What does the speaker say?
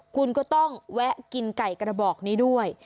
คุณก็ต้องแวะกินไก่กระบอกนี้ด้วย